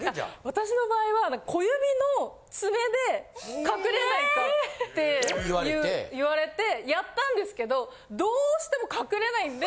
私の場合は。って言われてやったんですけどどうしても隠れないんで。